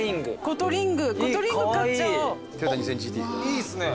いいっすね。